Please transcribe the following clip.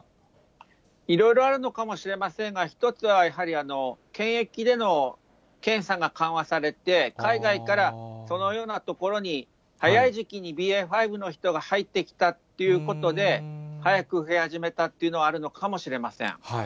いろいろあるのかもしれませんが、一つはやはり、検疫での検査が緩和されて、海外からそのような所に、早い時期にＢＡ．５の人が入ってきたっていうことで、早く増え始めたということはあるのかもしれません。